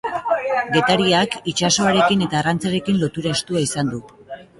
Getariak itsasoarekin eta arrantzarekin lotura estua izan du.